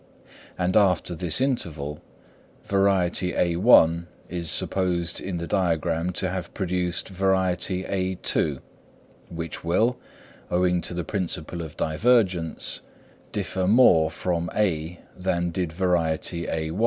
And after this interval, variety a1 is supposed in the diagram to have produced variety _a_2, which will, owing to the principle of divergence, differ more from (A) than did variety _a_1.